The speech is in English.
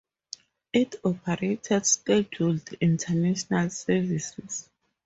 It operated scheduled international services.